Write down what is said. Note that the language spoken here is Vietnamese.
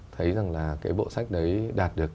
thấy rằng là cái bộ sách đấy đạt được